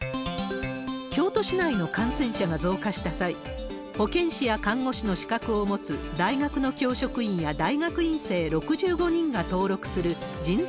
京都市内の感染者が増加した際、保健師や看護師の資格を持つ大学の教職員や大学院生６５人が登録する人材